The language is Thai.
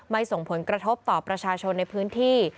ส่งผลกระทบต่อประชาชนในพื้นที่